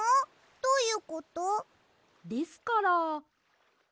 どういうこと？ですから。